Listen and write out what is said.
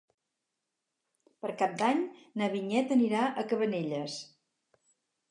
Per Cap d'Any na Vinyet anirà a Cabanelles.